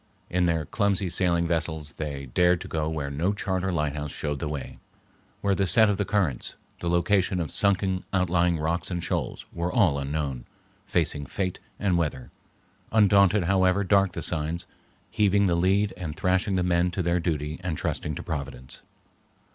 In their clumsy sailing vessels they dared to go where no chart or lighthouse showed the way, where the set of the currents, the location of sunken outlying rocks and shoals, were all unknown, facing fate and weather, undaunted however dark the signs, heaving the lead and thrashing the men to their duty and trusting to Providence.